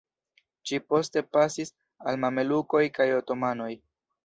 Ĝi poste pasis al mamelukoj kaj otomanoj.